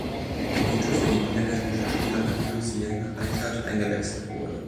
Minute für die niederländische Spielerin Lucienne Reichardt eingewechselt wurde.